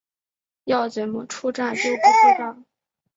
要怎么出站就不知道